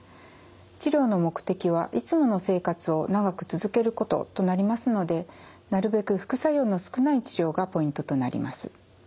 治療の目的はいつもの生活を長く続けることとなりますのでなるべく副作用の少ない治療がポイントとなります。